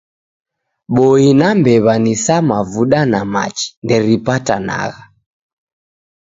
Boi na mbew'a ni sa mavuda na machi; nderipatanagha.